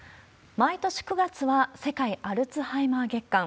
毎年９月は世界アルツハイマー月間。